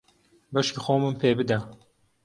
بەشی خۆمم پێ بدە.